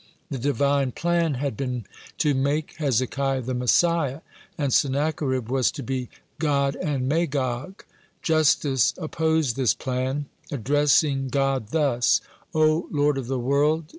The Divine plan had been to make Hezekiah the Messiah, and Sennacherib was to be God and Magog. Justice opposed this plan, addressing God thus: "O Lord of the world!